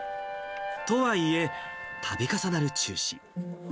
とはいえ、たび重なる中止。